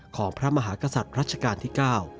ของพระมหากษัตริย์รัชกาลที่๙